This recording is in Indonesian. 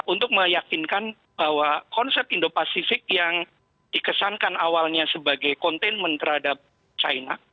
untuk meyakinkan bahwa konsep indo pasifik yang dikesankan awalnya sebagai containment terhadap china